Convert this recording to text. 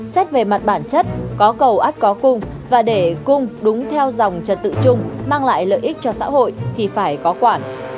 xét về mặt bản chất có cầu át có cung và để cung đúng theo dòng trật tự chung mang lại lợi ích cho xã hội thì phải có quản